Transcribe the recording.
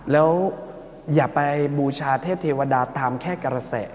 แล้วอย่าไปบูชาเทพเทวดาตามแค่กระแส